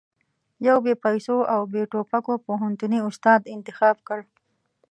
يو بې پيسو او بې ټوپکو پوهنتوني استاد انتخاب کړ.